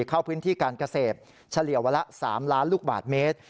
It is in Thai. เข้าพื้นที่การเกษตรเฉลี่ยวันละ๓ล้านลูกบาทเมตร